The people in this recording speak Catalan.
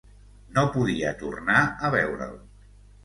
No podia tornar a veure'l.